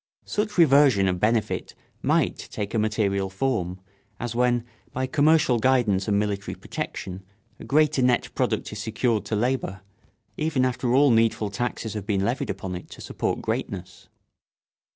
Such reversion of benefit might take a material form, as when, by commercial guidance and military protection, a greater net product is secured to labour, even after all needful taxes have been levied upon it to support greatness.